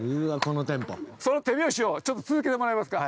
その手拍子をちょっと続けてもらえますか。